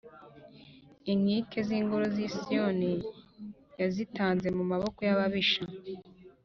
Inkike z’ingoro z’i Siyoni yazitanze mu maboko y’ababisha.